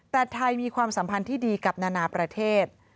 แต่ไทยมีความสัมพันธ์ที่ดีกับนานาประเทศ